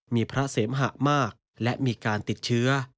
มีพระเสมหะมากและมีการติดเชื้อ